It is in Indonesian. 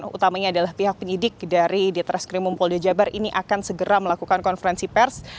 pertamanya adalah pihak penyidik dari dtkm poljajabar ini akan segera melakukan konferensi pers